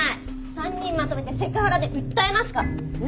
３人まとめてセクハラで訴えますから！